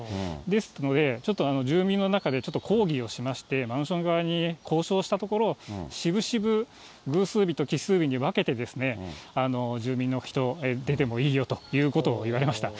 ですので、ちょっと住民の中で抗議をしまして、マンション側に交渉したところ、しぶしぶ、偶数日と奇数日に分けて、住民の人、出てもいいよということを言われました。